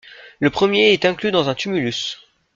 Le premier est inclus dans un tumulus.